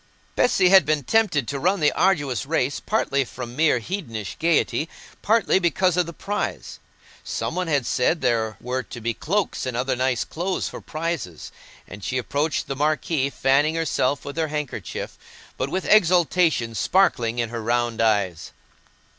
Bessy had been tempted to run the arduous race, partly from mere hedonish gaiety, partly because of the prize. Some one had said there were to be cloaks and other nice clothes for prizes, and she approached the marquee, fanning herself with her handkerchief, but with exultation sparkling in her round eyes.